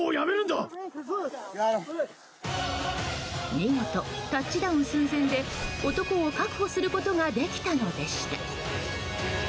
見事、タッチダウン寸前で男を確保することができたのでした。